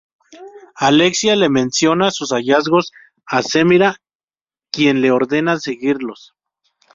Alexia le menciona sus hallazgos a Semira, quien le ordena seguirlos.